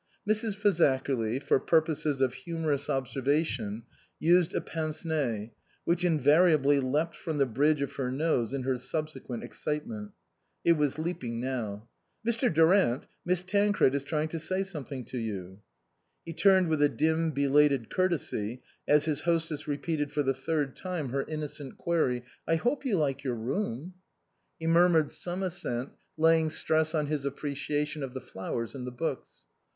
Mrs. Fazakerly, for purposes of humorous observation, used a pince nez, which invariably leapt from the bridge of her nose in her subsequent excitement. It was leaping now. " Mr. Durant, Miss Tailored is trying to say something to you." He turned with a dim, belated courtesy as his hostess repeated for the third time her innocent query, " I hope you like your room?" 16 INLAND He murmured some assent, laying stress on his appreciation of the flowers and the books.